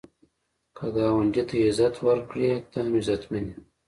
که ګاونډي ته عزت ورکړې، ته هم عزتمن یې